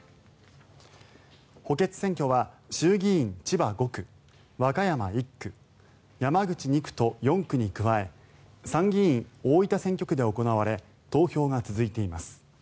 補欠選挙は衆議院千葉５区、和歌山１区山口２区と４区に加え参議院大分選挙区で行われ投票が続いています。